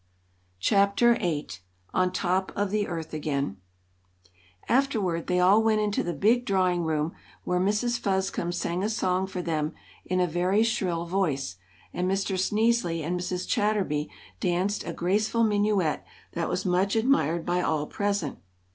Chapter VIII On Top of the Earth Again AFTERWARD they all went into the big drawing room, where Mrs. Fuzcum sang a song for them in a very shrill voice, and Mr. Sneezeley and Mrs. Chatterby danced a graceful minuet that was much admired by all present.